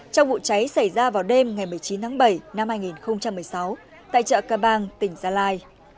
trong vụ cháy xảy ra vào đêm ngày một mươi chín tháng bảy năm hai nghìn một mươi sáu tại chợ cơ bang tỉnh gia lai